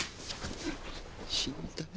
死にたい。